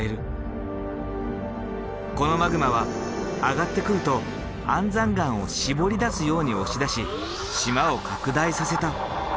このマグマは上がってくると安山岩をしぼり出すように押し出し島を拡大させた。